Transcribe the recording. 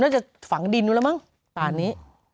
จะฝังดินไว้แล้วมั้งป่านนี้